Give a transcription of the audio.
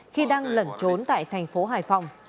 khi đang lẩn trốn tại thành phố hải phòng